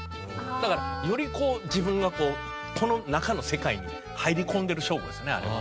だからより自分がこの中の世界に入り込んでる証拠ですねあれ。